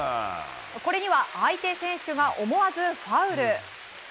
これには相手選手が思わずファウル。